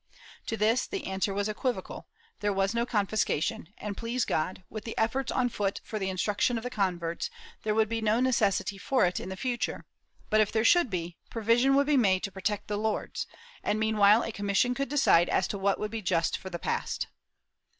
To this the answer was equivocal; there was no con fiscation and, please God, with the efforts on foot for the instruc tion of the converts, there would be no necessity for it in the future but, if there should be, provision would be made to protect the lords, and meanwhile a commission could decide as to what would be just for the past.